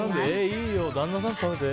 いいよー、旦那さんと食べて。